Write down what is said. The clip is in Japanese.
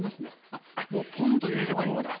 あもうポンッと入れればいいんだ。